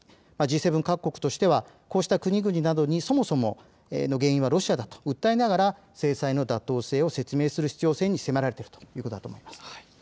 Ｇ７各国としてはこうした国々などにそもそもの原因はロシアだと訴えながら制裁の妥当性を説明する必要性に迫られているということだと思います。